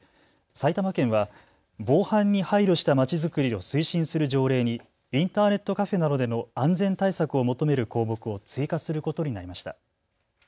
埼玉県は防犯に配慮したまちづくりを推進する条例にインターネットカフェなどでの安全対策を求める項目を追加することになりました。